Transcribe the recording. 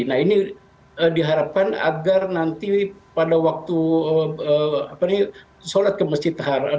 nah ini diharapkan agar nanti pada waktu sholat ke masjid haram